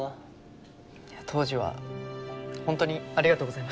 当時は本当にありがとうございました。